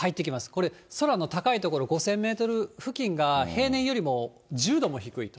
これ、空の高い所、５０００メートル付近が平年よりも１０度も低い。